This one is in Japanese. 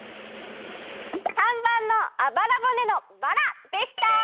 ③ばんのあばらぼねのバラでした！